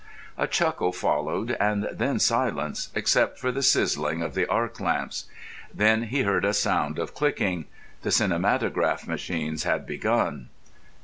A chuckle followed and then silence, except for the sizzling of the arc lamps. Then he heard a sound of clicking. The cinematograph machines had begun.